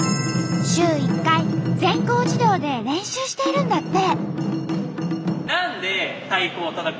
週１回全校児童で練習しているんだって。